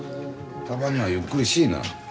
たまにはゆっくりしいな。